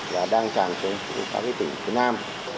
và đang tràn trống từ các tỉnh phía nam